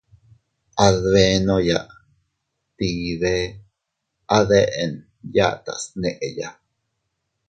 Adbenoya tii bee a deʼen yatas neʼeya.